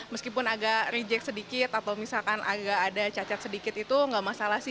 meskipun agak reject sedikit atau misalkan agak ada cacat sedikit itu nggak masalah sih